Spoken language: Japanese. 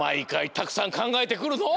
たくさんかんがえてくるのう。